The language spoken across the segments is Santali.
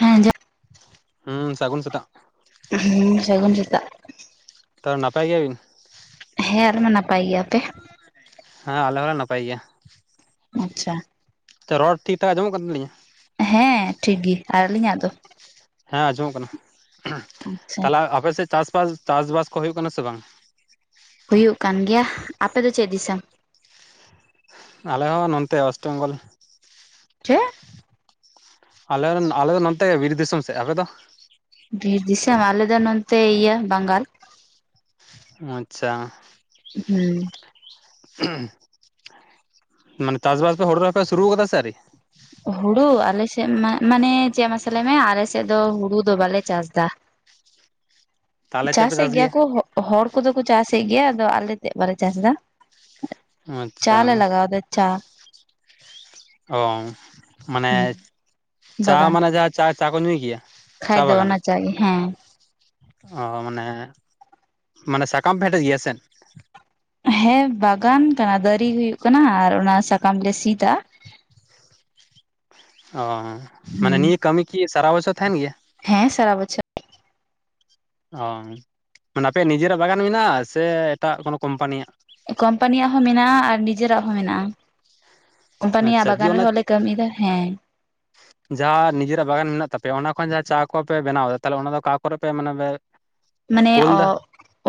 ᱦᱮᱸ ᱡᱚ ᱦᱩᱸ ᱥᱟᱹᱜᱩᱱ ᱥᱮᱛᱟᱜ ᱦᱮᱸ ᱥᱟᱹᱜᱩᱱ ᱥᱮᱛᱟᱜ᱾ ᱛᱚ ᱱᱟᱯᱟᱭ ᱜᱮᱭᱟᱵᱤᱱ ᱦᱮᱸᱻ ᱟᱯᱮᱫᱚ ᱱᱟᱯᱟᱭ ᱜᱮᱭᱟ ᱟᱯ? ᱦᱮᱸ ᱟᱞᱮ ᱦᱚᱸᱞᱮ ᱱᱟᱯᱟᱭ ᱜᱮᱭᱟ ᱾ ᱟᱪᱷᱟ ᱛᱚ ᱨᱚᱲ ᱴᱷᱤᱠ ᱴᱷᱟᱠ ᱟᱸᱚᱢᱚᱜ ᱠᱟᱱ ᱛᱟᱹᱞᱤᱧᱟ ᱦᱮᱸ ᱴᱷᱤᱠ ᱜᱤ ᱟᱨ ᱟᱹᱞᱤᱧᱟᱜ ᱫᱚ ᱦᱮᱸ ᱟᱸᱡᱚᱢᱚᱜ ᱠᱟᱱᱟ, ᱟᱪᱪᱷᱟ ᱛᱟᱦᱚᱞᱮ ᱟᱯᱮᱥᱮᱜ ᱪᱟᱥᱵᱟᱥ-ᱪᱟᱥᱵᱟᱥ ᱠᱚ ᱦᱳᱭᱳᱜ ᱠᱟᱱᱟ ᱥᱮ ᱵᱟᱝ? ᱦᱩᱭᱩᱜ ᱠᱟᱱ ᱜᱮᱭᱟ ᱟᱯᱮ ᱫᱚ ᱪᱮᱫ ᱫᱤᱥᱚᱢ? ᱟᱞᱮ ᱦᱚᱸ ᱱᱚᱸᱛᱮ ᱚᱥᱴ ᱵᱮᱝᱜᱚᱞ ᱪᱮᱜ? ᱟᱞᱮ ᱨᱮᱱ ᱟᱞᱮ ᱫᱚ ᱱᱚᱸᱛᱮ ᱵᱤᱨ ᱫᱤᱥᱚᱢ ᱥᱮᱜ ᱟᱞᱮ ᱫᱚ᱾ ᱵᱤᱨ ᱫᱤᱥᱚᱢ ᱟᱞᱮ ᱫᱚ ᱱᱚᱸᱛᱮ ᱤᱭᱟᱹ ᱵᱟᱝᱜᱟᱞ ᱾ ᱟᱪᱷᱟ ᱦᱩᱸ ᱢᱟᱱᱮ ᱪᱟᱥ-ᱵᱟᱥ ᱫᱚ ᱦᱳᱲᱳ ᱨᱚᱦᱚᱭ ᱯᱮ ᱥᱩᱨᱩ ᱠᱟᱫᱟ ᱥᱮ ᱟᱹᱣᱨᱤ ᱦᱳᱲᱳ ᱟᱞᱮᱥᱮᱜ ᱢᱟ ᱢᱟᱱᱮ ᱪᱮᱜ ᱢᱟᱥᱮ ᱞᱮᱭ ᱢᱮ ᱟᱞᱮᱥᱮᱜ ᱫᱚ ᱦᱳᱲᱳ ᱫᱚ ᱵᱟᱞᱮ ᱪᱟᱥ ᱫᱟ ᱛᱟᱦᱚᱞᱮ ᱪᱮᱫ ᱯᱮ ᱪᱟᱥᱮᱜ ᱪᱟᱥ ᱜᱮᱭᱟ ᱠᱚ ᱦᱚᱜ ᱦᱚᱲ ᱠᱚᱫᱚ ᱠᱚ ᱪᱟᱥᱮᱜ ᱜᱮᱭᱟ ᱟᱫᱚ ᱟᱞᱮ ᱛᱮᱜ ᱵᱟᱞᱮ ᱪᱟᱥ ᱫᱟ ᱪᱟ ᱟᱪᱪᱷᱟ ᱞᱮ ᱞᱟᱜᱟᱣᱫᱟ ᱪᱟ ᱚ ᱢᱟᱱᱮ ᱦᱩᱸ ᱪᱟ ᱵᱟᱜᱟᱱ ᱢᱟᱱᱮ ᱡᱟᱦᱟᱸ ᱪᱟ-ᱪᱟ ᱠᱚ ᱧᱩᱭ ᱜᱮᱭᱟ᱾ ᱠᱷᱟᱡ ᱪᱟ ᱫᱚ ᱵᱟᱜᱟᱱ ᱚᱱᱟ ᱪᱟ ᱜᱮ ᱦᱮᱸ ᱚ ᱢᱟᱱᱮ-ᱢᱟᱱᱮ ᱥᱟᱠᱟᱢ ᱯᱮ ᱦᱮᱴᱮᱡ ᱜᱮᱭᱟ ᱥᱮ ᱦᱮᱸ ᱵᱟᱜᱟᱱ ᱠᱟᱱᱟ ᱫᱟᱨᱟ-ᱫᱟᱹᱨᱤ ᱦᱩᱭᱩᱜ ᱠᱟᱱᱟ ᱟᱨ ᱚᱱᱟ ᱥᱟᱠᱟᱢᱞᱮ ᱥᱤᱫᱟ ᱚ ᱢᱟᱱᱮ ᱦᱩᱸ ᱱᱤᱭᱟᱹ ᱠᱟᱹᱢᱤ ᱠᱤ ᱥᱟᱨᱟ ᱵᱚᱪᱷᱚ ᱛᱟᱦᱮᱱ ᱜᱮᱭᱟ? ᱦᱮᱸ ᱥᱟᱨᱟ ᱵᱚᱪᱷᱚ ᱚ ᱢᱟᱱᱮ ᱟᱯᱮᱭᱟᱜ ᱱᱤᱡᱮᱨᱟᱜ ᱵᱟᱜᱟᱱ ᱢᱮᱱᱟᱜᱼᱟ ᱥᱮ ᱮᱴᱟᱜ ᱠᱳᱱᱳ ᱠᱳᱢᱯᱟᱱᱤᱭᱟᱜ? ᱠᱚᱳᱢᱯᱟᱱᱤᱭᱟᱜ ᱦᱚᱸ ᱢᱮᱱᱟᱜᱼᱟ ᱟᱨ ᱱᱤᱡᱮᱨᱟᱜ ᱦᱚᱸ ᱢᱮᱱᱟᱜᱼᱟ ᱾ ᱠᱳᱢᱯᱟᱱᱤᱭᱟᱜ ᱟᱪᱪᱷᱟ ᱫᱤᱭᱮ ᱵᱟᱜᱟᱱ ᱚᱱᱟ ᱨᱮᱦᱚᱸ ᱞᱮ ᱠᱟᱹᱢᱤᱭᱮᱫᱟ ᱦᱮᱸ᱾ ᱡᱟᱦᱟᱸ ᱱᱤᱡᱮᱨᱟᱜ ᱵᱟᱜᱟᱱ ᱢᱮᱱᱟᱜ ᱛᱟᱯᱮᱭᱟ ᱚᱱᱟ ᱠᱷᱚᱱ ᱡᱟ ᱪᱟ ᱠᱚᱯᱮ ᱵᱮᱱᱟᱣ ᱫᱟ ᱛᱟᱦᱚᱞᱮ ᱚᱱᱟ ᱫᱚ ᱟᱠᱟ ᱠᱚᱨᱮ ᱯᱮ ᱢᱟᱱᱮ ᱯᱮ ᱢᱟᱱᱮ ᱠᱳᱞ ᱚ, ᱫᱟ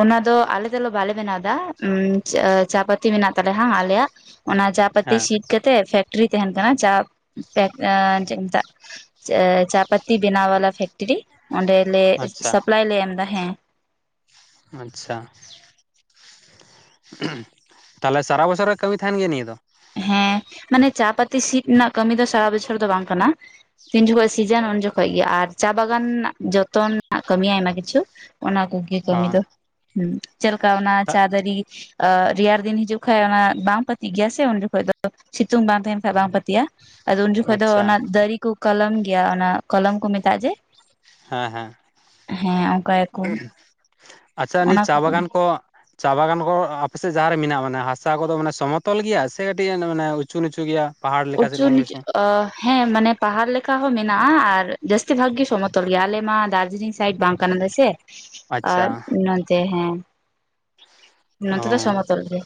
ᱚᱱᱟ ᱫᱚ ᱟᱞᱮ ᱫᱚᱞᱮ ᱵᱟᱞᱮ ᱵᱮᱱᱟᱣ ᱫᱟ ᱩᱸᱢ ᱪᱟ ᱯᱟᱹᱛᱤ ᱢᱮᱱᱟᱜ ᱛᱟᱞᱮᱭᱟ ᱦᱟᱸᱜ ᱟᱞᱮᱭᱟᱜ᱾ ᱚᱱᱟ ᱪᱟ ᱯᱟᱹᱛᱤ ᱦᱮᱸ ᱥᱤᱫ ᱠᱟᱛᱮᱜ ᱯᱷᱮᱠᱴᱨᱤ ᱛᱟᱦᱮᱱ ᱠᱟᱱᱟ ᱪᱟ ᱯᱮᱠ ᱪᱮᱜ ᱠᱚ ᱢᱮᱛᱟᱜ ᱪᱟ ᱪᱟ ᱯᱟᱛᱤ ᱵᱮᱱᱟᱣ ᱵᱟᱞᱟ ᱯᱷᱮᱠᱴᱨᱤ ᱚᱸᱰᱮᱞᱮ ᱟᱪᱪᱷᱟ ᱥᱟᱯᱞᱟᱭ ᱞᱮ ᱮᱢᱫᱟ ᱦᱮᱸ᱾ ᱟᱪᱪᱷᱟ, ᱛᱟᱦᱚᱞᱮ ᱥᱟᱨᱟ ᱵᱚᱪᱷᱚᱨ ᱨᱮ ᱠᱟᱹᱢᱤ ᱛᱟᱦᱮᱱ ᱜᱮᱭᱟ ᱱᱤᱭᱟᱹ ᱫᱚ? ᱦᱮᱸ ᱢᱟᱱᱮ ᱪᱟ ᱯᱟᱹᱛᱤ ᱥᱤᱫ ᱱᱟᱜ ᱠᱟᱹᱢᱤ ᱫᱚ ᱥᱟᱨᱟ ᱵᱚᱪᱷᱚᱨ ᱫᱚ ᱵᱟᱝ ᱠᱟᱱᱟ᱾ ᱛᱤᱱ ᱡᱚᱠᱷᱚᱱ ᱥᱤᱡᱟᱱ ᱩᱱ ᱡᱚᱠᱷᱚᱡ ᱜᱮ ᱟᱨ ᱪᱟ ᱵᱟᱜᱟᱱ ᱱᱟᱜ ᱡᱚᱛᱚᱱ ᱱᱟᱜ ᱠᱟᱹᱢᱤᱭᱟ ᱟᱭᱢᱟ ᱠᱤᱪᱷᱩ [unintelligible] ᱚᱱᱟ ᱠᱚᱜᱮ ᱚ ᱠᱟᱹᱢᱤ ᱫᱚ ᱦᱩᱸ ᱪᱮ ᱞᱮᱠᱟ ᱚᱱᱟ ᱪᱟ ᱫᱟᱹᱨᱤ᱾ ᱨᱮᱭᱟᱨ ᱫᱤᱱ ᱦᱤᱡᱩᱜ ᱠᱷᱟᱡ ᱚᱱᱟ ᱵᱟᱝ ᱯᱟᱹᱛᱤᱜ ᱜᱮᱭᱟ ᱥᱮ ᱩᱱ ᱡᱚᱠᱷᱮᱡ ᱫᱚ ᱥᱤᱛᱩᱝ ᱵᱟᱝ ᱛᱟᱦᱮᱱ ᱦᱟᱸᱜ ᱵᱟᱝ ᱯᱟᱹᱛᱤᱜᱼᱟ ᱟᱫᱚ ᱩᱱ ᱡᱚᱠᱷᱚᱡ ᱫᱚ ᱟᱪᱪᱷᱟ ᱚᱱᱟ ᱫᱟᱹᱨᱤ ᱠᱚ ᱠᱚᱞᱚᱢ ᱜᱮᱭᱟ ᱚᱱᱟ ᱠᱚᱞᱚᱢ ᱠᱚ ᱢᱮᱛᱟᱜᱼᱟ ᱡᱮ᱾ ᱦᱮᱸ ᱦᱮᱸ ᱦᱮᱸ ᱚᱱᱠᱟᱭᱟᱠᱚ ᱟᱪᱪᱷᱟ ᱱᱤᱛ ᱚᱱᱟ ᱪᱟ ᱠᱟᱱᱟ ᱵᱟᱜᱟᱱ ᱠᱚ ᱪᱟ ᱵᱟᱜᱟᱱ ᱠᱚ ᱟᱯᱮᱥᱮᱜ ᱡᱟᱦᱟᱸ ᱨᱮ ᱢᱮᱱᱟᱜᱼᱟ ᱢᱟᱱᱮ ᱦᱟᱥᱟ ᱠᱚᱫᱚ ᱢᱟᱱᱮ ᱥᱚᱢᱚᱛᱚᱞ ᱜᱮᱭᱟ ᱥᱮ ᱠᱟᱹᱴᱤᱡ ᱚᱸᱰᱮ ᱢᱟᱱᱮ ᱩᱪᱩ ᱱᱤᱪᱩ [unintelligible] ᱜᱮᱭᱟ᱾ ᱯᱟᱦᱟᱲ ᱞᱮᱠᱟ ᱩᱪᱩ ᱥᱮᱨᱚᱠᱚᱢ ᱱᱤᱪᱩ ᱠᱤᱪᱷᱩ [unintelligible] ᱟ ᱦᱮᱸ ᱢᱟᱱᱮ ᱯᱟᱦᱟᱲ [unintelligible] ᱞᱮᱠᱟ ᱦᱚ ᱢᱮᱱᱟᱜᱼᱟ ᱟᱨ᱾ ᱡᱟᱹᱥᱛᱤ ᱵᱷᱟᱜ ᱜᱤ ᱥᱚᱢᱚᱛᱚᱞ [unintelligible] ᱜᱮᱭᱟ ᱟᱞᱮ ᱢᱟ ᱫᱟᱨᱡᱤᱞᱤᱝ ᱥᱟᱭᱤᱰ ᱵᱟᱝ ᱠᱟᱱᱟᱞᱣ ᱥᱮ ᱟᱪᱪᱷᱟ ᱟᱨ, ᱛᱮ ᱦᱮᱸ, ᱚ ᱱᱚᱛᱮ ᱫᱚ ᱥᱚᱢᱚᱛᱚᱞ ᱜᱮ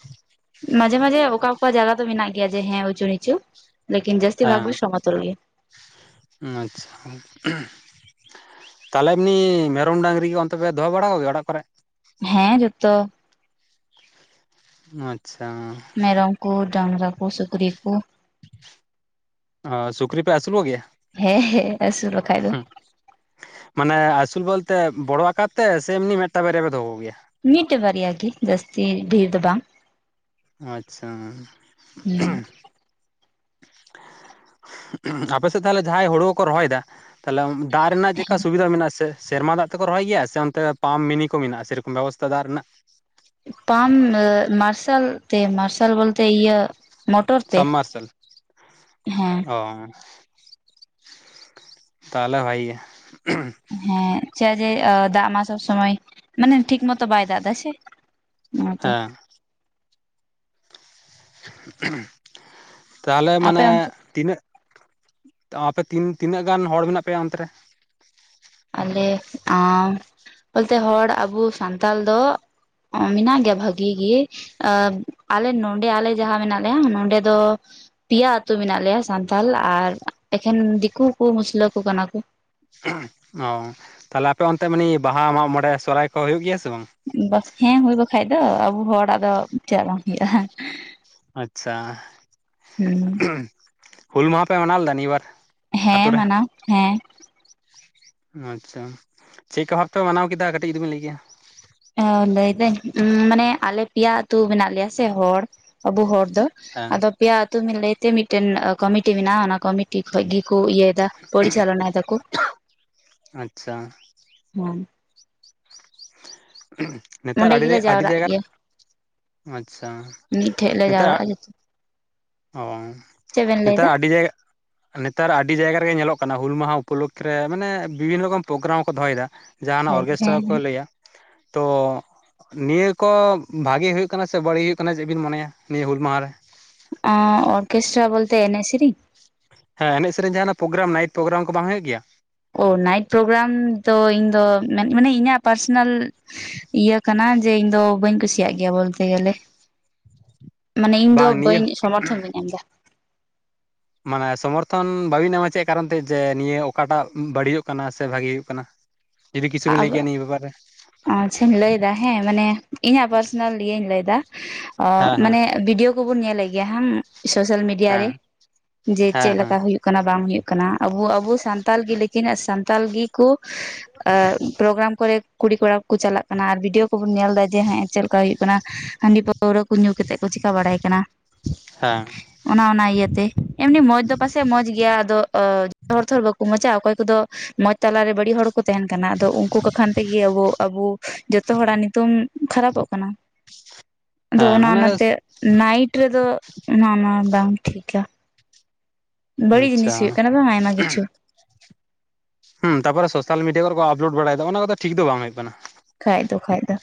ᱢᱟᱡᱷᱮ ᱢᱟᱡᱷᱮ [unintelligible] ᱚᱠᱟ ᱚᱠᱟ ᱡᱟᱭᱜᱟ ᱫᱚ ᱢᱮᱱᱟᱜ ᱜᱮᱭᱟ ᱡᱮ ᱦᱮᱸ ᱩᱪᱩ ᱱᱤᱪᱩ [unintelligible] ᱞᱮᱠᱤᱱ [unintelligible] ᱡᱟᱹᱥᱛᱤ ᱵᱷᱟᱜ ᱦᱮᱸ ᱜᱤ ᱥᱚᱢᱚᱛᱚᱞ [unintelligible] ᱜᱮᱭᱟ᱾ ᱟᱪᱪᱷᱟ, ᱛᱟᱦᱚᱞᱮ ᱮᱢᱱᱤ ᱢᱮᱨᱚᱢ ᱰᱟᱝᱨᱤ ᱠᱚ ᱚᱱᱛᱮ ᱯᱮ ᱫᱚᱦᱚ ᱵᱟᱲᱟ ᱠᱚᱜᱮ ᱚᱲᱟᱜ ᱠᱚᱨᱮᱜ? ᱦᱮᱸ ᱡᱚᱛᱚ᱾ ᱟᱪᱪᱷᱟ᱾ ᱢᱮᱨᱚᱢ ᱠᱚ ᱰᱟᱝᱨᱟ ᱠᱚ ᱥᱩᱠᱨᱤ ᱠᱚ᱾ ᱥᱩᱠᱨᱤ ᱯᱮ ᱟᱹᱥᱩᱞ ᱠᱚᱜᱮᱭᱟ ᱦᱮᱸ ᱦᱮᱸ ᱟᱥᱩᱞ ᱵᱟᱠᱷᱟᱡ ᱫᱚ᱾ ᱢᱟᱱᱮ ᱟᱥᱩᱞ ᱵᱚᱞᱛᱮ ᱵᱚᱲᱚ ᱟᱠᱟᱨ ᱛᱮ ᱥᱮ ᱮᱢᱱᱤ ᱢᱤᱫᱴᱟᱝ ᱵᱟᱨᱮᱭᱟ ᱯᱮ ᱫᱚᱦᱚ ᱠᱚᱜᱮᱭᱟ? ᱢᱤᱫᱴᱮ ᱵᱟᱨᱮᱭᱟ ᱜᱮ ᱡᱟᱹᱥᱛᱤ ᱰᱷᱮᱨ ᱫᱚ ᱵᱟᱝ᱾ ᱟᱪᱪᱷᱟ᱾ ᱦᱩᱸ ᱟᱯᱮ ᱥᱮᱫ ᱛᱟᱦᱮᱞᱮ ᱡᱟᱦᱟᱸᱭ ᱦᱩᱲᱩ ᱠᱚ ᱨᱚᱦᱚᱭᱮᱫᱟ? ᱛᱟᱦᱚᱞᱮ ᱫᱟᱜ ᱨᱮᱱᱟᱜ ᱪᱮᱫᱠᱟ ᱥᱩᱵᱤᱫᱟ ᱢᱮᱱᱟᱜ ᱥᱮ? ᱥᱮᱨᱢᱟ ᱫᱟᱜ ᱛᱮᱠᱚ ᱨᱚᱦᱚᱭ ᱜᱮᱭᱟ ᱥᱮ ᱚᱱᱛᱮ ᱯᱟᱢᱯ ᱢᱤᱱᱤ ᱠᱚ ᱢᱮᱱᱟᱜᱼᱟ ᱥᱮᱨᱚᱠᱚᱢ ᱵᱮᱵᱚᱥᱛᱷᱟ ᱫᱟᱜ ᱨᱮᱱᱟᱜ? ᱯᱟᱢ ᱢᱟᱨᱥᱟᱞ ᱛᱮ ᱢᱟᱨᱥᱟᱞ ᱵᱚᱞᱛᱮ ᱤᱭᱟᱹ᱾ ᱢᱚᱴᱚᱨ ᱛᱮ ᱥᱟᱢ ᱢᱟᱨᱥᱟᱞ ᱦᱮᱸ ᱚ᱾ ᱛᱟᱦᱚᱞᱮ ᱵᱷᱟᱜᱤ ᱜᱮ᱾ ᱦᱮᱸ ᱪᱮᱫ ᱡᱮ ᱫᱟᱜ ᱢᱟ ᱥᱚᱵᱽ ᱥᱚᱢᱚᱭ ᱢᱟᱱᱮ ᱴᱷᱤᱠ ᱢᱚᱛᱚ ᱵᱟᱭ ᱫᱟᱜ ᱮᱫᱟ ᱦᱮᱸ ᱥᱮ᱾ ᱚᱱᱟ ᱛᱮ, ᱦᱮᱸ ᱛᱟᱦᱚᱞᱮ ᱟᱯᱮ ᱢᱟᱱᱮ ᱚᱱᱛᱮ ᱛᱤᱱᱟᱹᱜ ᱟᱯᱮ ᱛᱤᱱ ᱛᱤᱱᱟᱹᱜ ᱜᱟᱱ ᱦᱚᱲ ᱢᱮᱱᱟᱜ ᱯᱮᱭᱟ ᱚᱱᱛᱮ ᱨᱮ? ᱟᱞᱮ ᱟᱸ ᱵᱚᱞᱛᱮ ᱦᱚᱲ ᱟᱵᱚ ᱥᱟᱱᱛᱟᱞ ᱫᱚ ᱚ ᱢᱮᱱᱟᱜ ᱜᱮᱭᱟ ᱵᱷᱟᱜᱤ ᱜᱮ᱾ ᱟᱸ ᱟᱞᱮ ᱱᱚᱰᱮ ᱟᱞᱮ ᱡᱟᱦᱟᱸ ᱢᱮᱱᱟᱜ ᱞᱮᱭᱟ ᱱᱚᱰᱮ ᱫᱚ ᱯᱮᱭᱟ ᱟᱹᱛᱩ ᱢᱮᱱᱟᱜ ᱞᱮᱭᱟ ᱥᱟᱱᱛᱟᱞ ᱟᱨ ᱮᱠᱷᱮᱱ ᱫᱤᱠᱩ ᱠᱚ ᱢᱩᱥᱞᱟᱹ ᱠᱚ ᱠᱟᱱᱟ ᱠᱚ᱾ ᱚ ᱛᱟᱦᱚᱞᱮ ᱟᱯᱮ ᱚᱱᱛᱮ ᱢᱟᱱᱮ ᱵᱟᱦᱟ ᱢᱟᱜᱢᱚᱬᱮ ᱥᱚᱨᱦᱟᱭ ᱠᱚ ᱦᱩᱭᱩᱜ ᱜᱮᱭᱟ ᱥᱮ ᱵᱟᱝ? ᱦᱮᱸ ᱦᱩᱭ ᱵᱟᱠᱷᱟᱡ ᱫᱚ ᱟᱵᱚ ᱦᱚᱲᱟᱜ ᱫᱚ ᱪᱮᱫᱟᱜ ᱵᱟᱝ ᱦᱩᱭᱩᱜᱼᱟ᱾ ᱟᱪᱪᱷᱟ ᱦᱩᱸ ᱦᱩᱞ ᱢᱟᱦᱟ ᱯᱮ ᱢᱟᱱᱟᱣ ᱞᱮᱫᱟ ᱱᱤᱭᱟᱹ ᱵᱟᱨ? ᱟᱛᱳ ᱦᱮᱸ ᱨᱮ ᱢᱟᱱᱟᱣ ᱦᱮᱸ᱾ ᱟᱪᱪᱷᱟ ᱪᱮᱫᱠᱟ ᱵᱷᱟᱵ ᱯᱮ ᱢᱟᱱᱟᱣ ᱠᱮᱫᱟ ᱠᱟᱹᱴᱤᱡ ᱡᱩᱫᱤ ᱵᱮᱱ ᱞᱟᱹᱭ ᱠᱮᱭᱟ? ᱚ ᱞᱟᱹᱭᱫᱟᱹᱧ ᱢᱟᱱᱮ ᱟᱞᱮ ᱯᱮᱭᱟ ᱟᱹᱛᱩ ᱢᱮᱱᱟᱜ ᱞᱮᱭᱟ ᱥᱮ ᱦᱚᱲ, ᱟᱵᱚ ᱦᱚᱲ ᱫᱚ ᱦᱮᱸ ᱟᱫᱚ ᱯᱮᱭᱟ ᱟᱹᱛᱩ ᱵᱤᱱ ᱞᱟᱹᱭᱛᱮ ᱢᱤᱫᱴᱮᱱ ᱠᱚᱢᱤᱴᱤ ᱢᱮᱱᱟᱜᱼᱟ, ᱚᱱᱟ ᱠᱚᱢᱤᱴᱤ ᱠᱷᱚᱡ ᱜᱮᱠᱚ ᱤᱭᱟᱹᱭ ᱫᱟ ᱯᱚᱨᱤᱪᱟᱞᱚᱱᱟᱭ ᱫᱟᱠᱚ᱾ ᱟᱪᱪᱷᱟ ᱦᱩᱸ ᱱᱮᱛᱟᱨ ᱚᱸᱰᱮ ᱟᱹᱰᱤ ᱜᱮᱞᱮ ᱟᱹᱰᱤ ᱡᱟᱣᱨᱟᱜ ᱡᱟᱭᱜᱟᱨᱮ ᱜᱮᱭᱟ ᱟᱪᱪᱷᱟ ᱢᱤᱫ ᱴᱷᱮᱡ ᱞᱮ ᱱᱮᱛᱟᱜ ᱡᱟᱣᱨᱟᱜᱼᱟ ᱡᱚᱛᱚ ᱚ ᱪᱮᱫ ᱵᱮᱱ ᱱᱮᱛᱟᱨ ᱞᱟᱹᱭᱫᱟ ᱟᱹᱰᱤ ᱡᱟᱭᱜᱟ ᱱᱮᱛᱟᱨ ᱟᱹᱰᱤ ᱡᱟᱭᱜᱟ ᱨᱮᱜᱮ ᱧᱮᱞᱚᱜ ᱠᱟᱱᱟ ᱦᱩᱞ ᱢᱟᱦᱟ ᱩᱯᱚᱞᱚᱠᱠᱷᱮ ᱨᱮ ᱢᱟᱱᱮ ᱵᱤᱵᱷᱤᱱᱱᱚ ᱨᱚᱠᱚᱢ ᱯᱨᱳᱜᱨᱟᱢ ᱠᱚ ᱫᱚᱦᱚᱭᱮᱫᱟ᱾ ᱡᱟᱦᱟᱱᱟᱜ ᱦᱮᱸ ᱚᱨᱜᱮᱥᱴᱟᱨᱟ ᱠᱚ ᱦᱮᱸ ᱞᱟᱹᱭᱟ᱾ ᱛᱚ ᱱᱤᱭᱟᱹ ᱠᱚ ᱵᱷᱟᱜᱮ ᱦᱩᱭᱩᱜ ᱠᱟᱱᱟ ᱥᱮ ᱵᱟᱹᱲᱤᱡ ᱦᱩᱭᱩᱜ ᱠᱟᱱᱟ ᱪᱮᱫᱵᱤᱱ ᱢᱚᱱᱮᱭᱟ ᱱᱤᱭᱟᱹ ᱦᱩᱞ ᱢᱟᱦᱟ ᱨᱮ? ᱚ ᱚᱨᱠᱮᱥᱴᱟᱨ ᱵᱚᱞᱛᱮ ᱮᱱᱮᱡ ᱥᱤᱨᱤᱧ? ᱦᱮᱸ ᱮᱱᱮᱡ ᱥᱮᱨᱮᱧ ᱡᱟᱦᱟᱱᱟᱜ ᱯᱨᱳᱜᱮᱨᱟᱢ ᱱᱟᱭᱤᱴ ᱯᱨᱳᱜᱮᱨᱟᱢ ᱠᱚ ᱵᱟᱝ ᱦᱩᱭᱩᱜ ᱜᱮᱭᱟ? ᱚ ᱱᱟᱭᱤᱴ ᱯᱨᱳᱜᱮᱨᱟᱢ ᱫᱚ ᱤᱧ ᱫᱚ ᱢᱟᱱᱮ ᱤᱧᱟᱹᱜ ᱯᱟᱨᱥᱚᱱᱟᱞ ᱤᱭᱟᱹ ᱠᱟᱱᱟ ᱡᱮ ᱤᱧ ᱫᱚ ᱵᱟᱹᱧ ᱠᱩᱥᱤᱭᱟᱜ ᱜᱮᱭᱟ ᱵᱚᱞᱛᱮ ᱜᱮᱞᱮ᱾ ᱢᱟᱱᱮ ᱤᱧ ᱫᱚ ᱵᱟᱝ ᱱᱤᱭᱟᱹ ᱵᱟᱹᱧ ᱥᱚᱢᱚᱨᱛᱷᱚᱱ ᱵᱟᱹᱧ ᱮᱢᱫᱟ᱾ ᱢᱟᱱᱮ ᱥᱚᱢᱚᱨᱛᱷᱚᱱ ᱵᱟᱹᱵᱤᱱ ᱮᱢᱟ ᱪᱮᱫ ᱠᱟᱨᱚᱱ ᱛᱮ ᱡᱮ ᱱᱤᱭᱟᱹ ᱚᱠᱟᱴᱟᱜ ᱵᱟᱹᱲᱤᱡᱚᱜ ᱠᱟᱱᱟ ᱥᱮ ᱵᱷᱟᱜᱤ ᱦᱩᱭᱩᱜ ᱠᱟᱱᱟ? ᱡᱩᱫᱤ ᱠᱤᱪᱷᱩᱵᱮᱱ ᱞᱟᱹᱭ ᱠᱮᱭᱟ ᱱᱤᱭᱟᱹ ᱵᱮᱯᱟᱨ ᱨᱮ? ᱟᱪᱪᱷᱟᱧ ᱞᱟᱹᱭ ᱮᱫᱟ ᱦᱮᱸ ᱢᱟᱱᱮ ᱤᱧᱟᱹᱜ ᱯᱟᱨᱥᱚᱱᱟᱞ ᱤᱭᱟᱹᱧ ᱞᱟᱹᱭ ᱮᱫᱟ ᱦᱮᱸ ᱦᱮᱸ ᱢᱟᱱᱮ ᱵᱷᱤᱰᱤᱭᱳ ᱠᱚᱵᱚᱱ ᱧᱮᱞᱮᱫ ᱜᱮᱭᱟ ᱦᱮᱸ ᱥᱳᱥᱟᱞ ᱢᱤᱰᱤᱭᱟ ᱦᱮᱸ ᱨᱮ ᱡᱮ ᱦᱮᱸ ᱪᱮᱫ ᱞᱮᱠᱟ ᱦᱮᱸ ᱦᱩᱭᱩᱜ ᱠᱟᱱᱟ ᱠᱟᱱᱟ ᱵᱟᱝ ᱦᱩᱭᱩᱜ ᱠᱟᱱᱟ ᱟᱵᱚ ᱟᱵᱚ ᱥᱟᱱᱛᱟᱞ ᱜᱮ ᱞᱮᱠᱤᱱᱟᱜ ᱥᱟᱱᱛᱟᱞ ᱜᱮ ᱠᱩ ᱯᱨᱳᱜᱮᱨᱟᱢ ᱠᱚᱨᱮ ᱠᱩᱲᱤ ᱠᱚᱲᱟ ᱠᱚ ᱪᱟᱞᱟᱜ ᱠᱟᱱᱟ ᱟᱨ ᱵᱷᱤᱰᱤᱭᱳ ᱠᱚᱵᱚᱱ ᱧᱮᱞ ᱮᱫᱟ ᱡᱮ ᱦᱮᱸ ᱪᱮᱞᱮᱠᱟ ᱦᱩᱭᱩᱜ ᱠᱟᱱᱟ ᱦᱟᱺᱰᱤ ᱯᱟᱹᱣᱨᱟᱹ ᱠᱚ ᱧᱩᱸ ᱠᱟᱛᱮ ᱠᱚ ᱪᱤᱠᱟ ᱵᱟᱲᱟᱭ ᱠᱟᱱᱟ᱾ ᱦᱮᱸ ᱚᱱᱟ ᱚᱱᱟ ᱤᱭᱟᱹᱛᱮ ᱮᱢᱱᱤ ᱢᱚᱸᱡᱽ ᱫᱚ ᱯᱟᱥᱮᱡ ᱢᱚᱸᱡᱽ ᱜᱮᱭᱟ ᱟᱫᱚ ᱡᱚᱛᱚ ᱦᱚᱲ ᱛᱚ ᱵᱟᱠᱚ ᱢᱚᱸᱡᱟ ᱚᱠᱚᱭ ᱠᱚᱫᱚ ᱢᱚᱸᱡᱽ ᱛᱟᱞᱟᱨᱮ ᱵᱟᱹᱲᱤᱡ ᱦᱚᱲᱠᱚ ᱛᱟᱦᱮᱱ ᱠᱟᱱᱟ ᱟᱫᱚ ᱩᱱᱠᱩ ᱠᱚᱠᱷᱟᱱ ᱟᱵᱩ ᱡᱚᱛᱚ ᱦᱚᱲᱟᱜ ᱱᱩᱛᱩᱢ ᱠᱷᱟᱨᱟᱯᱚᱜ ᱠᱟᱱᱟ ᱟᱫᱚ ᱦᱮᱸ ᱚᱱᱟ ᱢᱟᱱᱮ ᱚᱱᱟᱛᱮᱼᱼ ᱱᱟᱭᱤᱴ ᱨᱮᱫᱚ ᱚᱱᱟ ᱚᱱᱟ ᱵᱟᱝ ᱴᱷᱤᱠᱟ᱾ ᱵᱟᱹᱲᱤᱡ ᱟᱪᱪᱷᱟ ᱡᱤᱱᱤᱥ ᱦᱩᱭᱩᱜ ᱠᱟᱱᱟ ᱵᱟᱝ ᱟᱭᱢᱟ ᱠᱤᱪᱷᱩ᱾ ᱦᱩᱸ ᱛᱟᱯᱚᱨ ᱥᱳᱥᱟᱞ ᱢᱤᱰᱤᱭᱟ ᱠᱚᱨᱮ ᱠᱚ ᱟᱯᱞᱳᱰ ᱵᱟᱲᱟᱭ ᱫᱟ ᱚᱱᱟ ᱠᱚᱫᱚ ᱴᱷᱤᱠ ᱫᱚ ᱵᱟᱝ ᱦᱳᱭᱳᱜ ᱠᱟᱱᱟ᱾ ᱠᱷᱟᱡ ᱫᱚ ᱠᱷᱟᱡ ᱫᱚ᱾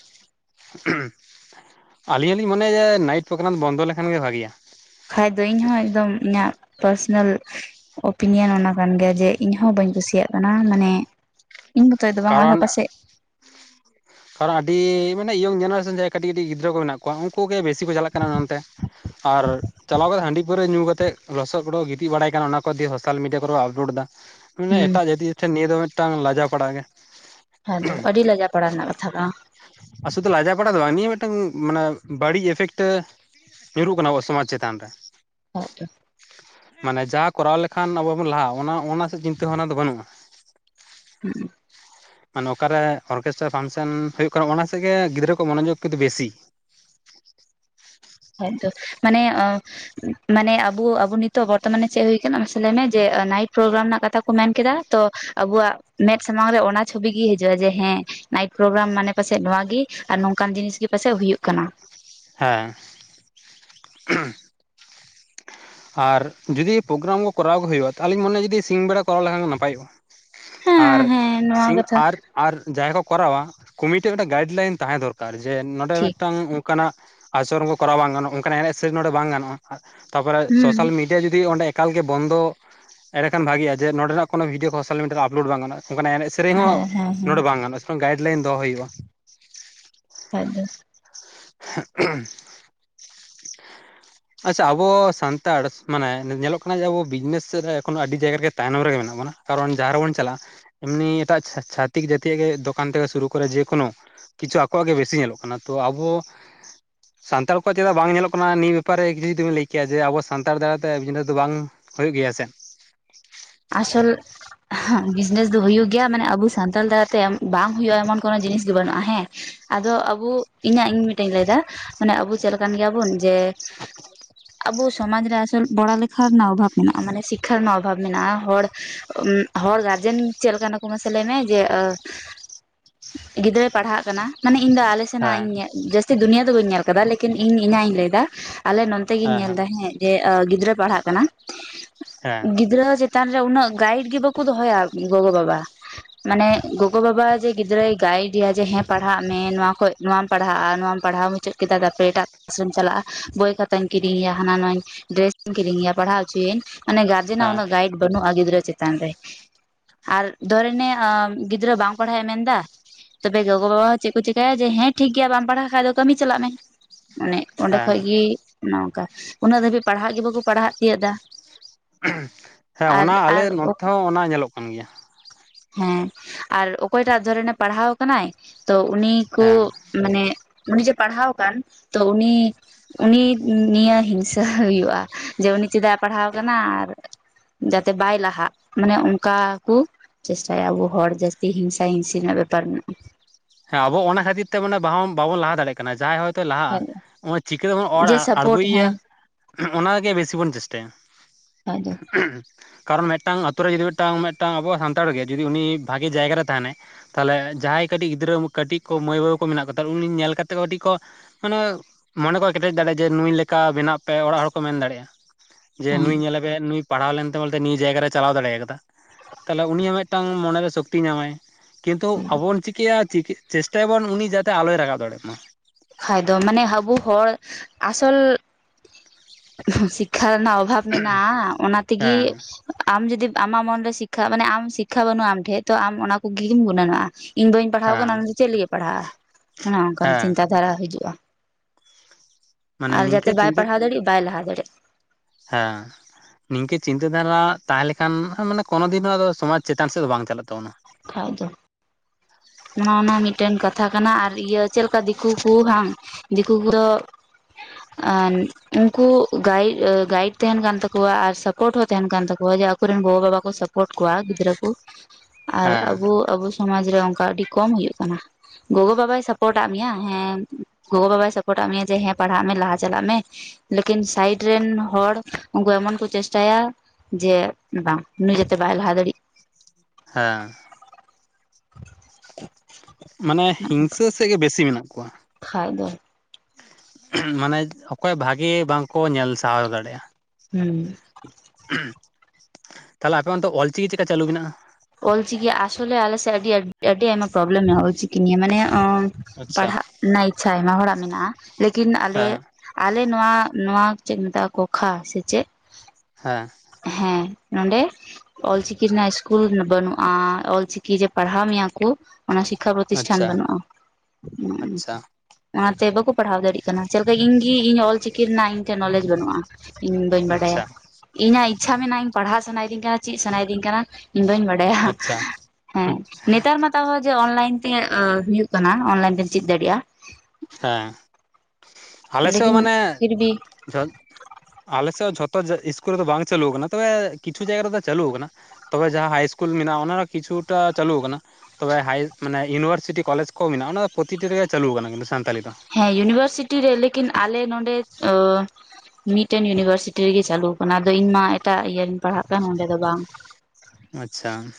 ᱟᱹᱞᱤᱧ ᱦᱚᱞᱤᱧ ᱢᱚᱱᱮᱭᱟ ᱡᱮ ᱱᱟᱭᱤᱴ ᱯᱨᱳᱜᱨᱟᱢ ᱵᱚᱱᱫᱚ ᱞᱮᱠᱷᱟᱱ ᱜᱮ ᱵᱷᱟᱹᱜᱤᱭᱟ᱾ ᱠᱷᱟᱡ ᱫᱚ ᱤᱧ ᱦᱚᱸ ᱮᱠᱫᱚᱢ ᱤᱧᱟᱹᱜ ᱯᱟᱨᱥᱚᱱᱟᱞᱼᱼ ᱚᱯᱤᱱᱤᱭᱟᱱ ᱚᱱᱟ ᱠᱟᱱ ᱜᱮᱭᱟ ᱡᱮ ᱤᱧᱦᱚᱸ ᱵᱟᱹᱧ ᱠᱩᱥᱤᱭᱟᱜ ᱠᱟᱱᱟ ᱢᱟᱱᱮᱼᱼ ᱤᱧ ᱢᱚᱛᱚᱡ ᱫᱚ ᱵᱟᱝ ᱟᱨᱦᱚᱸ ᱠᱟᱨᱚᱱ ᱯᱟᱥᱮᱫᱼᱼ ᱠᱟᱨᱚᱱ ᱟᱹᱰᱤ ᱢᱟᱱᱮ ᱤᱭᱚᱝ ᱡᱮᱱᱟᱨᱮᱥᱚᱱ ᱡᱟᱸᱦᱟᱭ ᱠᱟᱹᱴᱤᱡ ᱠᱟᱹᱴᱤᱡ ᱜᱤᱫᱽᱨᱟᱹ ᱠᱚ ᱢᱮᱱᱟᱜ ᱠᱚᱣᱟ ᱩᱱᱠᱩ ᱜᱮ ᱵᱮᱥᱤ ᱠᱚ ᱪᱟᱞᱟᱜ ᱠᱟᱱᱟ ᱚᱱᱮ ᱱᱚᱱᱛᱮᱼᱼ ᱟᱨᱼᱼ ᱪᱟᱞᱟᱣ ᱠᱟᱛᱮᱫ ᱦᱟᱺᱰᱤ ᱯᱟᱹᱣᱨᱟᱹ ᱧᱩ ᱠᱟᱛᱮᱫ ᱞᱚᱥᱚᱫ ᱠᱚᱨᱮ ᱠᱚ ᱜᱤᱛᱤᱡ ᱵᱟᱲᱟᱭ ᱠᱟᱱᱟ ᱚᱱᱟ ᱠᱚ ᱫᱤᱭᱮ ᱥᱳᱥᱟᱞ ᱢᱤᱰᱤᱭᱟ ᱠᱚᱨᱮ ᱠᱚ ᱟᱯᱞᱳᱰ ᱫᱟ᱾ ᱢᱟᱱᱮ ᱦᱩᱸ ᱮᱴᱟᱜ ᱡᱟᱹᱛᱤ ᱴᱷᱮᱱ ᱱᱤᱭᱟᱹ ᱫᱚ ᱢᱮᱫᱴᱟᱝ ᱞᱟᱡᱟᱣ ᱯᱟᱲᱟ ᱜᱮ᱾ ᱠᱷᱟᱡ ᱫᱚ ᱟᱹᱰᱤ ᱞᱟᱡᱟᱣ ᱯᱟᱲᱟ ᱨᱮᱱᱟᱜ ᱠᱟᱛᱷᱟ ᱠᱟᱱᱟ᱾ ᱟᱨ ᱥᱩᱫᱷᱩ ᱞᱟᱡᱟᱣ ᱯᱟᱲᱟ ᱫᱚ ᱵᱟᱝ ᱱᱤᱭᱟᱹ ᱢᱮᱫᱴᱟᱝ ᱢᱟᱱᱮ ᱵᱟᱹᱲᱤᱡ ᱤᱯᱷᱮᱠᱴ ᱮᱼᱼ ᱧᱩᱨᱩᱜ ᱠᱟᱱᱟ ᱟᱹᱵᱚ ᱥᱚᱢᱟᱡᱽ ᱪᱮᱛᱟᱱ ᱨᱮ᱾ [unintelligible] ᱢᱟᱱᱮ ᱡᱟ ᱠᱚᱨᱟᱣ ᱞᱮᱠᱷᱟᱱ ᱟᱵᱚ ᱵᱚᱱ ᱞᱟᱦᱟᱜᱼᱟ ᱚᱱᱟ ᱚᱱᱟ ᱥᱮᱫ ᱪᱤᱱᱛᱳ ᱵᱷᱟᱵᱽᱱᱟ ᱫᱚ ᱵᱟᱹᱱᱩᱜᱼᱟ ᱾ [unintelligible] ᱢᱟᱱᱮ ᱚᱠᱟᱨᱮ ᱚᱨᱜᱮᱥᱴᱟ ᱯᱷᱟᱱᱥᱮᱱ ᱦᱳᱭᱳᱜ ᱠᱟᱱᱟ ᱚᱱᱟ ᱥᱮᱜ ᱜᱮ ᱜᱤᱫᱽᱨᱟᱹ ᱠᱚ ᱢᱚᱱᱳᱡᱳᱜᱽ ᱠᱚ ᱫᱚ ᱵᱮᱥᱤ ᱾ ᱦᱚᱭ ᱛᱚ ᱢᱟᱱᱮ ᱟᱸ ᱢᱟᱱᱮ ᱟᱵᱚ ᱟᱵᱚ ᱱᱤᱛᱚᱜ ᱵᱚᱨᱛᱚᱢᱟᱱᱮ ᱪᱮᱜ ᱦᱩᱭ ᱠᱟᱱᱟ ᱢᱟᱥᱮ ᱞᱮᱭ ᱢᱮ ᱡᱮ ᱱᱟᱭᱤᱴ ᱯᱨᱳᱜᱨᱟᱢ ᱨᱮᱱᱟᱜ ᱠᱟᱛᱷᱟ ᱠᱚ ᱢᱮᱱᱠᱮᱫᱟ ᱛᱚ ᱟᱵᱚᱣᱟᱜ ᱢᱮᱜ ᱥᱟᱢᱟᱝ ᱨᱮ ᱚᱱᱟ ᱪᱷᱚᱵᱤᱜ ᱜᱤ ᱦᱤᱡᱩᱜᱼᱟ ᱡᱮ ᱦᱮᱸ ᱱᱟᱭᱤᱴ ᱯᱨᱳᱜᱨᱟᱢ ᱢᱟᱱᱮ ᱯᱟᱪᱮᱡ ᱱᱚᱣᱟᱜᱤ ᱟᱨ ᱱᱚᱝᱠᱟᱱ ᱡᱤᱱᱤᱥ ᱜᱮ ᱯᱟᱥᱮᱜ ᱦᱩᱭᱩᱜ ᱠᱟᱱᱟ ᱾ ᱦᱮᱸ᱾ [unintelligible] ᱟᱨ ᱡᱩᱫᱤ ᱯᱨᱳᱜᱨᱟᱢ ᱠᱚᱨᱟᱣ ᱜᱮ ᱦᱳᱭᱳᱜᱼᱟ ᱛᱟᱦᱚᱞᱮᱧ ᱢᱚᱱᱮᱭᱟ ᱡᱩᱫᱤ ᱥᱤᱧ ᱵᱮᱲᱟ ᱠᱚᱨᱟᱣ ᱞᱮᱠᱷᱟᱱ ᱜᱮ ᱱᱟᱯᱟᱭᱚᱜᱼᱟ ᱾ ᱟᱨ ᱦᱮᱸ ᱦᱮᱸ ᱱᱚᱣᱟ ᱥᱤᱧ ᱠᱟᱛᱷᱟ ᱟᱨ ᱟᱨ ᱡᱟᱦᱟᱸᱭ ᱠᱚ ᱠᱚᱨᱟᱣᱟ ᱠᱩᱢᱤᱴᱤᱟᱜ ᱢᱤᱫᱴᱟᱝ ᱜᱟᱭᱤᱰ ᱞᱟᱭᱤᱱ ᱛᱟᱦᱮᱸ ᱫᱚᱨᱠᱟᱨ ᱡᱮ ᱱᱚᱸᱰᱮ ᱴᱷᱤᱠ ᱢᱮᱜᱴᱟᱝ ᱠᱟᱱᱟᱜ ᱟᱪᱚᱨᱚᱱ ᱠᱚ ᱠᱚᱨᱟᱣ ᱵᱟᱝ ᱜᱟᱱᱚᱜᱼᱟ ᱚᱱᱠᱟᱱᱟᱜ ᱮᱧᱲᱮᱜ ᱥᱮᱸᱨᱮᱧ ᱱᱚᱰᱮ ᱵᱟᱝ ᱜᱟᱱᱚᱜᱼᱟ ᱛᱟᱯᱚᱨᱮ ᱦᱩᱸ ᱥᱳᱥᱟᱞ ᱢᱤᱰ ᱜᱮ ᱡᱩᱫᱤ ᱚᱸᱰᱮ ᱮᱠᱟᱞ ᱜᱮ ᱵᱚᱱᱫᱚ ᱮᱸᱲᱮᱠᱷᱟᱱ ᱵᱷᱟᱜᱮᱜ-ᱟ ᱡᱮ ᱱᱚᱰᱮᱱᱟᱜ ᱠᱳᱱᱳ ᱵᱷᱤᱰᱤᱳ ᱠᱚᱦᱚ ᱥᱳᱥᱟᱞ ᱢᱤᱰᱤᱭᱟ ᱨᱮ ᱟᱯᱞᱳᱰ ᱵᱟᱝ ᱜᱟᱱᱚᱜᱼᱟ ᱚᱝᱠᱟᱱᱟᱜ ᱮᱱᱮᱡ ᱥᱮ ᱛᱮᱨᱮᱧ ᱦᱚᱸ ᱦᱮᱸ ᱦᱮᱸ ᱦᱮᱸ ᱱᱚᱰᱮ ᱵᱟᱝ ᱜᱟᱱᱚᱜᱼᱟ ᱜᱟᱭᱤᱰ ᱞᱟᱭᱤᱱ ᱫᱚᱦᱚ ᱦᱩᱭᱩᱜᱼᱟ ᱾ [unintelligible] [unintelligible] [inaudible] ᱟᱪᱪᱷᱟ ᱟᱵᱚ ᱥᱟᱱᱛᱟᱲ ᱢᱟᱱᱮ ᱧᱮᱞᱚᱜ ᱠᱟᱱᱟ ᱡᱮ ᱟᱵᱚ ᱵᱤᱡᱽᱱᱮᱥ ᱥᱮᱜ ᱨᱮ ᱮᱠᱷᱚᱱᱚ ᱟᱹᱰᱤ ᱡᱟᱭᱜᱟ ᱨᱮᱜᱮ ᱛᱟᱭᱱᱚᱢ ᱨᱮᱜᱮ ᱢᱮᱱᱟᱜ ᱵᱚᱱᱟ᱾ ᱠᱟᱨᱚᱱ ᱡᱟᱦᱟᱸ ᱨᱮᱵᱚᱱ ᱪᱟᱞᱟᱜᱼᱟ ᱮᱢᱱᱤ ᱮᱴᱟᱜ ᱪᱦᱟ ᱪᱷᱟᱛᱤᱠ ᱡᱟᱹᱛᱤᱭᱟᱜ ᱜᱮ ᱫᱚᱠᱟᱱ ᱛᱦᱮᱠᱮ ᱥᱩᱨᱩ ᱠᱚᱨᱮ ᱡᱮᱠᱳᱱᱳ ᱠᱤᱪᱷᱩ ᱟᱠᱚᱣᱟᱜ ᱜᱮ ᱵᱮᱥᱤ ᱧᱮᱞᱚᱜ ᱠᱟᱱᱟ ᱛᱚ ᱟᱵᱚ ᱥᱟᱱᱛᱟᱲ ᱠᱚᱣᱟᱜ ᱪᱮᱫᱟᱜ ᱵᱟᱝ ᱧᱮᱞᱚᱜ ᱠᱟᱱᱟ ᱱᱤᱭᱟᱹ ᱵᱮᱯᱟᱨ ᱨᱮ ᱠᱤᱪᱷᱩ ᱡᱩᱫᱤᱵᱤᱱ ᱞᱮᱹᱭ ᱠᱮᱭᱟ ᱡᱮ ᱟᱵᱚ ᱥᱟᱱᱛᱟᱲ ᱫᱟᱲᱟᱭᱛᱮ ᱵᱤᱡᱽᱱᱮᱥ ᱫᱚ ᱵᱟᱝ ᱦᱩᱭᱩᱜ ᱜᱮᱭᱟᱥᱮ ᱾ ᱟᱥᱚᱞ ᱦᱮ ᱵᱤᱡᱽᱱᱮᱥ ᱫᱚ ᱦ ᱦᱩᱭᱩᱜ ᱜᱮᱭᱟ ᱢᱟᱱᱮ ᱟᱵᱚ ᱥᱟᱱᱛᱟᱞ ᱫᱟᱲᱟᱛᱮ ᱵᱟᱝ ᱦᱩᱭᱩᱜᱼᱟ ᱮᱢᱚᱱ ᱠᱳᱱᱳ ᱡᱤᱱᱤᱥ ᱜᱮ ᱵᱟᱹᱱᱩᱜᱼᱟ ᱦᱮᱸ᱾ ᱟᱫᱚ ᱟᱵᱩ ᱤᱧᱟᱹᱜ ᱤᱧ ᱢᱤᱜᱴᱟᱧᱡ ᱤᱧ ᱞᱮᱹᱭᱫᱟ ᱢᱟᱱᱮ ᱟᱵᱚ ᱪᱮᱞᱠᱟᱱ ᱜᱮᱭᱟᱵᱚᱱ ᱡᱮ ᱟᱵᱚ ᱥᱚᱢᱟᱡ ᱨᱮ ᱟᱥᱚᱞ ᱵᱚᱲᱟ ᱞᱮᱠᱷᱟ ᱱᱟᱜ ᱚᱵᱷᱟᱵ ᱢᱮᱱᱟᱜᱼᱟ ᱢᱟᱱᱮ ᱥᱤᱠᱠᱷᱟ ᱨᱮᱱᱟᱜ ᱚᱵᱷᱟᱵ ᱢᱮᱱᱟᱜᱼᱟ᱾ ᱦᱚᱲ ᱦᱚᱲ ᱜᱟᱨᱡᱮᱱ ᱪᱮᱞᱠᱟᱱᱟᱠᱚ ᱢᱟᱥᱮ ᱞᱮᱹᱭ ᱢᱮ ᱡᱮ ᱟ ᱜᱤᱫᱽᱨᱟ ᱯᱟᱲᱦᱟᱜ ᱠᱟᱱᱟ ᱾ ᱢᱟᱱᱮ ᱤᱧ ᱫᱚ ᱟᱞᱮ ᱥᱮᱱᱟᱜ ᱦᱮᱸ ᱤᱧ ᱧᱮ ᱡᱟᱹᱥᱛᱤ ᱫᱩᱱᱭᱟᱹ ᱫᱚ ᱵᱟᱹᱧ ᱧᱮᱞ ᱠᱟᱫᱟ ᱞᱮᱠᱤᱱ ᱤᱧ ᱤᱧᱟᱹᱜ ᱤᱧ ᱞᱮᱹᱭ ᱫᱟ ᱟᱞᱮ ᱱᱚᱱ ᱛᱮ ᱤᱧ ᱧᱮᱞ ᱫᱟ ᱦᱮᱸ ᱡᱮ ᱟ ᱜᱤᱫᱽᱨᱟ ᱯᱟᱲᱦᱟᱜ ᱠᱟᱱᱟ ᱦᱮᱸ ᱜᱤᱫᱽᱨᱟ ᱡᱮ ᱛᱟᱨ ᱡᱚ ᱩᱱᱚᱹᱜ ᱜᱟᱭᱤᱰ ᱜᱮ ᱵᱟᱠᱚ ᱫᱚᱦᱚᱭᱟ ᱜᱚᱜᱚ ᱵᱟᱵᱟ᱾ ᱢᱟᱱᱮ ᱜᱚᱜᱚ ᱵᱟᱵᱟ ᱡᱮ ᱜᱤᱫᱽᱨᱟᱹᱭ ᱜᱟᱭᱤᱰᱭᱟ ᱡᱮ ᱦᱮᱸ ᱯᱟᱲᱦᱟᱜ ᱢᱮ ᱱᱚᱣᱟ ᱠᱷᱚᱭ ᱱᱚᱣᱟᱢ ᱯᱟᱲᱦᱟᱜᱼᱟ ᱱᱚᱣᱟᱢ ᱯᱟᱲᱦᱟᱣ ᱢᱩᱪᱟᱹᱫ ᱠᱮᱫᱟ ᱜᱟ ᱯᱮ ᱮᱴᱟᱜ ᱥᱮᱱ ᱪᱟᱞᱟᱜᱼᱟ ᱵᱳᱭ ᱠᱷᱟᱛᱟᱧ ᱠᱤᱨᱤᱧᱮᱭᱟ ᱦᱟᱱᱟ ᱱᱚᱣᱟᱧ ᱰᱨᱮᱥ ᱤᱧ ᱠᱤᱨᱤᱧᱮᱭᱟ ᱯᱟᱲᱦᱟᱣ ᱦᱚᱪᱚᱭᱤᱧ ᱢᱟᱱᱮ ᱜᱟᱨᱡᱮᱱᱟᱜ ᱦᱮᱸ ᱩᱱᱚᱹᱜ ᱜᱟᱭᱤᱰ ᱵᱟᱹᱱᱩᱜᱼᱟ ᱜᱤᱫᱽᱨᱟᱹ ᱪᱮᱛᱟᱱ ᱨᱮ ᱾ ᱟᱨ ᱫᱷᱚᱨᱱᱮ ᱟ ᱜᱤᱫᱽᱨᱟᱹ ᱵᱟᱝ ᱯᱟᱲᱦᱟᱣ ᱮ ᱢᱮᱱᱫᱟ ᱦᱮᱸ ᱛᱚᱵᱮ ᱜᱚᱜᱚ ᱵᱟᱵᱟ ᱦᱚᱸ ᱪᱮᱜ ᱠᱚ ᱪᱤᱠᱟᱹᱭᱟ ᱡᱮ ᱦᱮᱸ ᱴᱷᱤᱠ ᱜᱮᱭᱟ ᱵᱟᱢ ᱯᱟᱲᱦᱟᱜ ᱠᱷᱟᱭ ᱫᱚ ᱠᱟᱹᱢᱤ ᱪᱟᱞᱟᱜ ᱢᱮ᱾ ᱚᱱᱮ ᱚᱸᱰᱮ ᱦᱮᱸ ᱠᱷᱚᱭᱜᱤ ᱚᱱᱮ ᱚᱝᱠᱟ ᱩᱱᱟᱹᱜ ᱫᱷᱟᱹᱵᱤᱜ ᱯᱟᱲᱦᱟ ᱜᱮ ᱵᱟᱠᱚ ᱯᱟᱲᱦᱟᱜ ᱛᱤᱭᱟᱹᱜ ᱫᱟ᱾ [unintelligible] ᱦᱮᱸ ᱟᱨ ᱚᱱᱟ ᱟᱞᱮ ᱟᱨ ᱱᱚᱛᱮ ᱦᱚᱸ ᱚᱱᱟ ᱧᱮᱞᱚᱜ ᱠᱟᱱ ᱜᱮᱭᱟ ᱾ ᱦᱮᱸ ᱟᱨ ᱚᱠᱚᱭᱴᱟᱜ ᱫᱷᱚᱨᱚᱱᱮ ᱯᱟᱲᱦᱟᱣ ᱟᱠᱟᱱᱟᱭ ᱛᱚ ᱩᱱᱤ ᱠᱚ ᱦᱮᱸ ᱢᱟᱱᱮ ᱩᱱᱤ ᱡᱮ ᱯᱟᱲᱦᱟᱣ ᱠᱟᱱ ᱛᱚ ᱩᱱᱤ ᱩᱱᱤ ᱱᱤᱭᱟᱹ ᱦᱤᱝᱥᱟᱹ ᱦᱩᱭᱩᱜᱼᱟ ᱡᱮ ᱩᱱᱤ ᱪᱮᱫᱟᱜ ᱮ ᱯᱟᱲᱦᱟᱣ ᱠᱟᱱᱟ ᱟᱨ ᱡᱟᱛᱮ ᱵᱟᱭ ᱞᱟᱦᱟᱜ ᱢᱟᱱᱮ ᱚᱱᱠᱟ ᱠᱩ ᱪᱮᱥᱴᱟᱭᱟ ᱟᱵᱚ ᱦᱚᱲ ᱡᱟᱥᱛᱤ ᱦᱤᱝᱥᱟ ᱦᱤᱝᱥᱤ ᱨᱮᱱᱟᱜ ᱵᱮᱯᱟᱨ ᱢᱮᱱᱟᱜ-ᱟ᱾ ᱦᱮᱸ ᱟᱵᱚ ᱚᱱᱟ ᱠᱷᱟᱹᱛᱤᱨ ᱛᱮ ᱢᱟᱱᱮ ᱵᱟ ᱵᱟᱵ ᱞᱟᱦᱟ ᱫᱟᱲᱮᱭᱟᱜ ᱠᱟᱱᱟ ᱡᱟᱦᱟᱸᱭ ᱦᱚᱭ ᱛᱮᱭ ᱞᱟᱦᱟᱜᱼᱟ ᱢᱮᱱᱟᱜᱼᱟ ᱚᱱᱟ ᱪᱤᱠᱟᱹᱛᱮᱵᱚᱱ ᱚᱲ ᱡᱮ ᱥᱟᱯᱳᱨᱴ ᱟᱬᱜᱚᱭᱮᱭᱟ ᱦᱮᱸ ᱚᱱᱟ ᱨᱮᱜᱮ ᱵᱮᱥᱤ ᱵᱚᱱ ᱪᱮᱥᱴᱟᱭᱟ ᱾ ᱠᱷᱟᱡ ᱫᱚ ᱠᱟᱨᱚᱱ ᱢᱤᱫᱴᱟᱝ ᱟᱛᱳ ᱨᱮ ᱡᱩᱫᱤ ᱢᱤᱫᱴᱟᱝ ᱢᱤᱫᱴᱟᱝ ᱟᱵᱚᱣᱟᱜ ᱥᱟᱱᱛᱟᱲ ᱜᱮ ᱡᱩᱫᱤ ᱩᱱᱤ ᱵᱷᱟᱜᱮ ᱡᱟᱭᱜᱟ ᱨᱮ ᱛᱟᱦᱮᱱᱟᱭ ᱛᱟᱦᱚᱞᱮ ᱡᱟᱦᱟᱸᱭ ᱠᱟᱹᱴᱤᱡ ᱜᱤᱫᱽᱨᱟᱹ ᱠᱟᱹᱴᱤᱡ ᱠᱚ ᱢᱟᱹᱭ ᱵᱟᱹᱵᱩ ᱠᱚ ᱢᱮᱱᱟᱜ ᱠᱚ ᱛᱟᱞᱮ ᱩᱱᱤ ᱧᱮᱞ ᱠᱟᱛᱮᱜ ᱠᱟᱹᱴᱤᱡ ᱠᱚ ᱢᱟᱱᱮ ᱢᱚᱱᱮ ᱠᱚ ᱠᱮᱴᱮᱡ ᱫᱟᱲᱮᱭᱟᱜᱼᱟ ᱡᱮ ᱱᱩᱭ ᱞᱮᱠᱟ ᱵᱮᱱᱟᱜ ᱯᱮ ᱚᱲᱟᱜ ᱦᱚᱲ ᱠᱚ ᱢᱮᱱ ᱫᱟᱲᱮᱭᱟᱜᱼᱟ ᱾ ᱡᱮ ᱦᱮᱸ ᱱᱩᱭ ᱧᱮᱞᱮ ᱯᱮ ᱱᱩᱭ ᱯᱟᱲᱦᱟᱣ ᱞᱮᱱᱛᱮ ᱵᱚᱞᱛᱮ ᱱᱤᱭᱟᱹ ᱡᱟᱭᱜᱟ ᱨᱮᱭ ᱪᱟᱞᱟᱣ ᱫᱟᱲᱮᱭᱟ ᱟᱠᱟᱫᱟ ᱛᱟᱦᱚᱞᱮ ᱩᱱᱤᱭᱟᱜ ᱢᱤᱫᱴᱟᱝ ᱢᱚᱱᱮᱨᱮ ᱥᱚᱠᱛᱤᱭ ᱧᱟᱢᱟᱭ᱾ ᱠᱤᱱᱛᱩ ᱟᱵᱚᱵᱚᱱ ᱪᱤᱠᱟᱹᱭᱟ ᱪᱮᱥᱴᱟᱭᱟᱵᱚᱱ ᱩᱱᱤ ᱡᱟᱛᱮ ᱟᱞᱚᱭ ᱨᱟᱠᱟᱵ ᱫᱟᱲᱮᱭᱟᱜ ᱢᱟ ᱾ ᱦᱚᱭ ᱫᱚ ᱢᱟᱱᱮ ᱟᱵᱩ ᱦᱚᱲ ᱟᱥᱚᱞ ᱥᱤᱠᱠᱷᱟ ᱫᱚ ᱢᱟᱱᱮ ᱟᱵᱚ ᱦᱚᱲ ᱟᱥᱚᱞ ᱥᱤ ᱥᱤᱠᱠᱷᱟ ᱨᱮᱱᱟᱜ ᱚᱵᱷᱟᱵ ᱢᱮᱱᱟᱜᱼᱟ ᱚᱱᱟ ᱛᱮᱜᱮ ᱦᱮᱸ ᱟᱢ ᱡᱩᱫᱤᱢ ᱟᱢᱟᱜ ᱢᱚᱱᱮᱨᱮ ᱥᱤᱠᱠᱷᱟ ᱢᱟᱱᱮ ᱟᱢ ᱥᱤᱠᱠᱷᱟ ᱵᱟᱹᱱᱩᱜᱼᱟ ᱟᱢᱴᱷᱮᱡ ᱛᱚ ᱟᱢ ᱚᱱᱟᱠᱚᱜᱮᱢ ᱜᱩᱱᱟᱹᱱᱚᱜᱼᱟ ᱾ ᱤᱧ ᱵᱟᱹᱧ ᱯᱟᱲᱦᱟᱣ ᱦᱮᱸ ᱟᱠᱟᱱᱟ ᱩᱱᱤ ᱪᱮᱫ ᱞᱟᱹᱜᱤᱛ ᱮ ᱯᱟᱲᱦᱟᱜᱼᱟ ᱚᱱᱮ ᱚᱱᱠᱟᱱ ᱪᱤᱱ ᱦᱮᱸ ᱯᱟᱲᱦᱟᱣ ᱦᱤᱡᱩᱜᱼᱟ ᱢᱟᱱᱮ ᱟᱨ ᱡᱟᱛᱮ ᱱᱤᱝᱠᱟᱹ ᱵᱟᱭ ᱪᱤᱱᱛᱟᱹ ᱯᱟᱲᱦᱟᱣ ᱫᱟᱲᱮᱭᱟᱜ ᱵᱟᱭ ᱞᱟᱦᱟ ᱫᱟᱲᱮᱭᱟᱜ ᱾ ᱦᱮᱸ ᱱᱤᱝᱠᱟᱹ ᱪᱤᱱᱛᱟᱹ ᱫᱷᱟᱨᱟ ᱛᱟᱦᱮᱸᱞᱮᱠᱷᱟᱱ ᱢᱟᱱᱮ ᱠᱳᱱᱳ ᱫᱤᱱ ᱟᱫᱚ ᱥᱚᱢᱟᱡ ᱪᱮᱛᱟᱱ ᱥᱮᱫ ᱫᱚ ᱵᱟᱝ ᱪᱟᱞᱟᱜ ᱛᱟᱵᱚᱱᱟ᱾ ᱠᱷᱟᱡ ᱫᱚ ᱚᱱᱟ ᱚᱱᱟ ᱢᱤᱫᱴᱮᱱ ᱠᱟᱛᱷᱟ ᱠᱟᱱᱟ ᱟᱨ ᱤᱭᱟᱹ ᱪᱮᱞᱮᱠᱟ ᱫᱤᱠᱩ ᱠᱚ ᱦᱟᱝ ᱫᱤᱠᱩ ᱠᱚᱫᱚ ᱮ ᱩᱱᱠᱩ ᱜᱟᱭᱤᱰ ᱜᱟᱭᱤᱰ ᱛᱟᱦᱮᱱ ᱠᱟᱱ ᱛᱟᱠᱚᱣᱟ ᱟᱨ ᱥᱟᱯᱳᱨᱴ ᱦᱚᱸ ᱛᱟᱦᱮᱱ ᱠᱟᱱ ᱛᱟᱠᱚᱣᱟ ᱡᱟ ᱟᱠᱚᱨᱮᱱ ᱜᱚ ᱵᱟᱵᱟ ᱠᱚ ᱥᱟᱯᱳᱚᱴ ᱠᱚᱣᱟ ᱜᱤᱫᱽᱨᱟᱹ ᱠᱚ ᱟᱨ ᱦᱮᱸ ᱟᱵᱚ ᱟᱵᱚ ᱥᱚᱢᱟᱡ ᱨᱮ ᱚᱱᱠᱟ ᱟᱹᱰᱤ ᱠᱚᱢ ᱦᱩᱭᱩᱜ ᱠᱟᱱᱟ ᱜᱚᱜᱚ ᱵᱟᱵᱟᱭ ᱥᱟᱯᱚᱴ ᱟᱜ ᱢᱮᱭᱟ ᱦᱮᱸ ᱜᱚ ᱵᱟᱵᱟᱭ ᱥᱟᱯᱳᱴᱟᱜ ᱢᱮᱭᱟ ᱡᱮ ᱦᱮ ᱯᱟᱲᱦᱟᱜ ᱢᱮ ᱞᱟᱦᱟ ᱪᱟᱞᱟᱜ ᱢᱮ ᱞᱮᱠᱤᱱ ᱥᱟᱭᱤᱰ ᱨᱮᱱ ᱦᱚᱲ ᱩᱱᱠᱩ ᱮᱢᱚᱱ ᱠᱚ ᱪᱮᱥᱴᱟᱭᱟ ᱡᱮ ᱵᱟᱝ ᱱᱩᱭ ᱡᱟᱛᱮ ᱵᱟᱭ ᱞᱟᱦᱟ ᱫᱟᱲᱤᱜ ᱦᱮᱸ [unintelligible] ᱢᱟᱱᱮ ᱦᱤᱝᱥᱟᱹ ᱥᱮᱫ ᱜᱮ ᱵᱮᱥᱤ ᱢᱮᱱᱟᱜ ᱠᱚᱣᱟ᱾ ᱠᱷᱟᱡ ᱫᱚ ᱢᱟᱱᱮ ᱚᱠᱚᱭ ᱵᱷᱟᱜᱤ ᱵᱟᱝᱠᱚ ᱧᱮᱞ ᱥᱟᱦᱟᱣ ᱫᱟᱲᱮᱭᱟᱜᱼᱟ᱾ ᱦᱮᱸ ᱛᱟᱦᱚᱞᱮ ᱟᱯᱮ ᱚᱱᱛᱮ ᱚᱞᱪᱤᱠᱤ ᱪᱮᱫᱠᱟ ᱪᱟᱹᱞᱩ ᱢᱮᱱᱟᱜᱼᱟ? ᱚᱞᱪᱤᱠᱤ ᱟᱥᱚᱞᱮ ᱟᱞᱮ ᱥᱮᱫ ᱟᱹᱰᱤ ᱟᱭᱢᱟ ᱯᱨᱚᱵᱞᱮᱢ ᱢᱮᱱᱟᱜ-ᱟ ᱚᱞ ᱪᱤᱠᱤ ᱱᱤᱭᱮ ᱢᱟᱱᱮ ᱟᱪᱪᱷᱟ ᱯᱟᱲᱦᱟᱜ ᱨᱮᱱᱟᱜ ᱤᱪᱪᱷᱟ ᱟᱭᱢᱟ ᱦᱚᱲᱟᱜ ᱢᱮᱱᱟᱜᱼᱟ ᱞᱮᱠᱤᱱ ᱟᱞᱮ ᱦᱮᱸ ᱟᱞᱮ ᱱᱚᱣᱟ ᱱᱚᱣᱟ ᱪᱮᱫ ᱠᱚ ᱢᱮᱛᱟᱜᱼᱟ ᱠᱚᱠᱷᱟ ᱥᱮ ᱪᱮᱫ ᱦᱮᱸ ᱦᱮᱸ ᱱᱚᱸᱰᱮ ᱚᱞᱪᱤ ᱨᱮᱱᱟᱜ ᱤᱥ ᱠᱩᱞ ᱵᱟᱹᱱᱩᱜᱼᱟ ᱚᱞᱪᱤᱠᱤ ᱡᱮ ᱯᱟᱲᱦᱟᱣ ᱢᱮᱭᱟ ᱠᱚ ᱚᱱᱟ ᱥᱤᱠᱠᱷᱟ ᱯᱨᱚᱛᱤᱥᱴᱷᱟᱱ ᱟᱪᱪᱷᱟ ᱵᱟᱹᱱᱩᱜᱼᱟ ᱟᱪᱪᱷᱟ ᱚᱱᱟᱛᱮ ᱵᱟᱠᱚ ᱯᱟᱲᱦᱟᱣ ᱫᱟᱹᱲᱤᱜ ᱠᱟᱱᱟ ᱪᱮᱫ ᱞᱮᱠᱟ ᱤᱧᱜᱮ ᱤᱧ ᱚᱞ ᱪᱤᱠᱤ ᱨᱮᱱᱟᱜ ᱤᱧ ᱴᱷᱮᱡ ᱱᱚᱞᱮᱡ ᱵᱟᱹᱱᱩᱜ-ᱟ ᱤᱧ ᱵᱟᱹᱧ ᱵᱟᱰᱟᱭᱟ᱾ ᱟᱪᱪᱷᱟ ᱤᱧᱟᱜ ᱤᱪᱪᱷᱟ ᱢᱮᱱᱟᱜᱼᱟ ᱤᱧ ᱯᱟᱲᱦᱟᱜ ᱥᱟᱱᱟᱭ ᱫᱤᱧ ᱠᱟᱱᱟ ᱪᱮᱫ ᱥᱟᱱᱟᱭ ᱫᱤᱧ ᱠᱟᱱᱟ ᱵᱟᱹᱧ ᱵᱟᱰᱟᱭᱟ ᱟᱪᱪᱷᱟ ᱦᱮᱸ ᱱᱮᱛᱟᱨ ᱢᱟ ᱛᱟᱦᱚ ᱡᱮ ᱚᱱᱞᱟᱭᱤᱱ ᱛᱮ ᱦᱩᱭᱩᱜ ᱠᱟᱱᱟ ᱚᱱᱞᱟᱭᱤᱱ ᱛᱮᱢ ᱪᱮᱫ ᱫᱟᱲᱤᱜ-ᱟ᱾ ᱦᱮᱸ ᱟᱞᱮ ᱥᱮᱫ ᱞᱮᱠᱤᱱ ᱢᱟᱱᱮ ᱯᱷᱤᱨ ᱵᱷᱤ [unintelligible] ᱟᱞᱮᱥᱮᱫ ᱦᱚ ᱡᱷᱚᱛᱚ ᱡᱟ ᱤᱥᱠᱩᱞ ᱨᱮᱫᱚ ᱵᱟᱝ ᱪᱟᱞᱩᱣ ᱠᱟᱱᱟ ᱛᱚᱵᱮ ᱠᱤᱪᱷᱩ ᱡᱟᱭᱜᱟ ᱨᱮᱫᱚ ᱪᱟᱞᱩᱣ ᱠᱟᱱᱟ ᱛᱚᱵᱮ ᱡᱟᱦᱟᱸ ᱦᱟᱭ ᱤᱥᱠᱩᱞ ᱢᱮᱱᱟᱜ-ᱟ ᱚᱱᱟᱨᱮ ᱠᱤᱪᱷᱩᱴᱟ ᱪᱟᱞᱩᱣ ᱠᱟᱱᱟ᱾ ᱛᱚᱵᱮ ᱦᱟᱭ ᱢᱟᱱᱮ ᱤᱭᱩᱱᱤᱵᱷᱟᱨᱥᱤᱴᱤ ᱠᱚᱞᱮᱡᱽ ᱠᱚ ᱢᱮᱱᱟᱜ-ᱟ ᱚᱱᱟ ᱫᱚ ᱯᱚᱛᱤᱴᱤ ᱨᱮᱜᱮ ᱪᱟᱞᱩᱣ ᱟᱠᱟᱱᱟ ᱠᱤᱱᱛᱩ᱾ ᱥᱟᱱᱛᱟᱞᱤ ᱫᱚ ᱦᱮᱸ ᱤᱭᱩᱱᱤᱵᱷᱟᱨᱥᱤᱴᱤ ᱨᱮ ᱞᱤᱠᱤᱱ ᱟᱞᱮ ᱱᱚᱰᱮ ᱢᱤᱫᱴᱮᱱ ᱤᱭᱩᱱᱤᱵᱷᱟᱨᱥᱤᱴᱤ ᱨᱮᱜᱮ ᱪᱟᱞᱩᱣ ᱠᱟᱱᱟ ᱟᱫᱚ ᱤᱧᱢᱟ ᱮᱴᱟᱜ ᱤᱭᱟᱟᱹ ᱨᱤᱧ ᱯᱟᱲᱦᱟᱜ ᱠᱟᱱ ᱚᱸᱰᱮ ᱫᱚ ᱵᱟᱝ᱾ ᱟᱪᱪᱷᱟ